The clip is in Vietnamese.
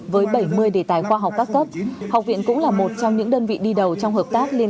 với bảy mươi đề tài khoa học các cấp học viện cũng là một trong những đơn vị đi đầu trong hợp tác liên